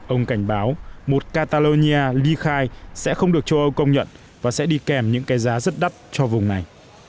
ông cảnh báo một catalonia ly khai sẽ không được châu âu công nhận và sẽ đi kèm những cái giá rất đắt cho vùng này